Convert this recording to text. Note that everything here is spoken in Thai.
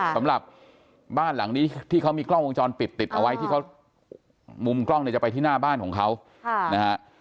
สำหรับบ้านหลังนี้ที่เขามีกล้องวงจรปิดติดเอาไว้ที่เขามุมกล้องเนี่ยจะไปที่หน้าบ้านของเขานะฮะ